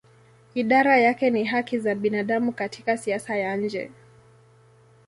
Idara yake ni haki za binadamu katika siasa ya nje.